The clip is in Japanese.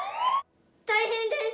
大変です。